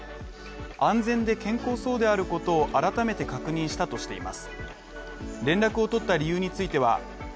安全で健康そうであることを改めて確認したとしています。